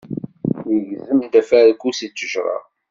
Yegzem-d afarku si ttejra.